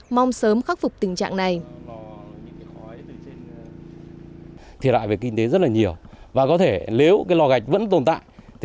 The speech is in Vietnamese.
mong sớm khắc phục các lò gạch